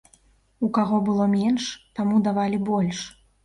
У каго было менш, таму давалі больш.